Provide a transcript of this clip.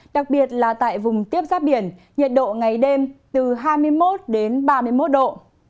đặc biệt là tại vùng tiếp giáp biển nhiệt độ ngày đêm từ hai mươi một đến ba mươi một độ